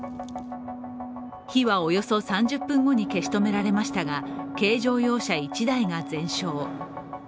火はおよそ３０分後に消し止められましたが、軽乗用車１台が全焼。